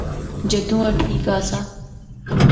جدوں اے ٹھیک آسا۔